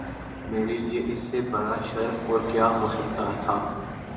میرے لیے اس سے بڑا شرف اور کیا ہو سکتا تھا